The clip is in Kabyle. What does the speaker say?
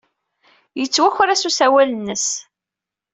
Yettwaker-as usawal-nnes.